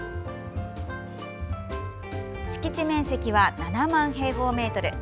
敷地面積は７万平方メートル。